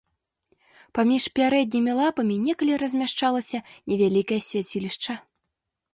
Паміж пярэднімі лапамі некалі размяшчалася невялікае свяцілішча.